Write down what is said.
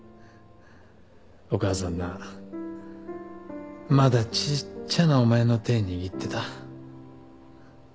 お母さんなまだちっちゃなお前の手握ってた。